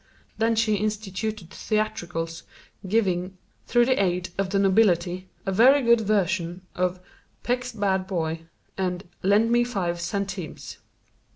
Then she instituted theatricals, giving, through the aid of the nobility, a very good version of "Peck's Bad Boy" and "Lend Me Five Centimes."